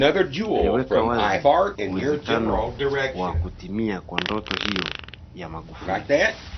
Aliweka wazi uwezekano wa kutimia kwa ndoto hiyo ya Magufuli